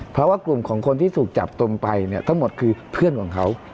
เพราะว่ากลุ่มของคนที่ถูกจับตมไปเนี่ยทั้งหมดคือเพื่อนของเขา